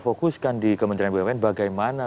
fokuskan di kementerian bumn bagaimana